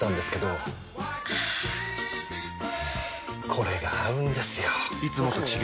これが合うんですよ！